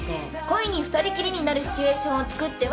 故意に２人きりになるシチュエーションを作ってはならない。